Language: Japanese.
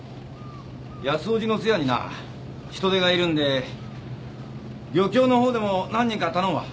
安おじの通夜にな人手がいるんで漁協のほうでも何人か頼むわ。